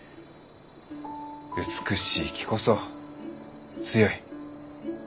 美しいきこそ強い。